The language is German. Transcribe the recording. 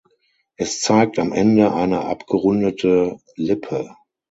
Es zeigt am Ende eine abgerundete Lippe.